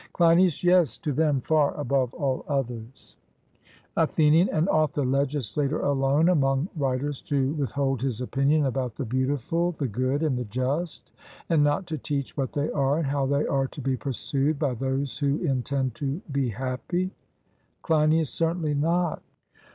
CLEINIAS: Yes; to them far above all others. ATHENIAN: And ought the legislator alone among writers to withhold his opinion about the beautiful, the good, and the just, and not to teach what they are, and how they are to be pursued by those who intend to be happy? CLEINIAS: Certainly not.